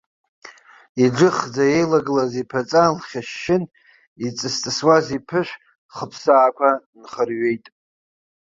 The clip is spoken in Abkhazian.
Иџыхӡа еилагылаз иԥаҵа лхьышьшьын, иҵыс-ҵысуаз иԥышә хыԥсаақәа нхырҩеит.